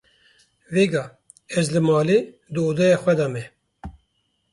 Vêga, Ez li malê di odeya xwe de me.